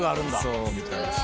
そうみたいですね。